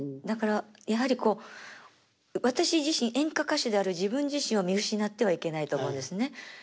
だからやはりこう私自身演歌歌手である自分自身を見失ってはいけないと思うんですね。